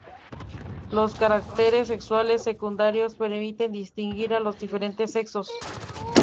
Los caracteres sexuales secundarios permiten distinguir a los diferentes sexos.